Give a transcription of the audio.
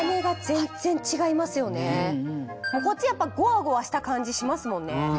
こっちやっぱゴワゴワした感じしますもんね。